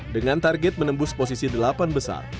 dengan target menembus posisi delapan besar